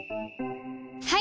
はい！